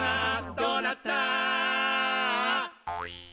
「どうなった？」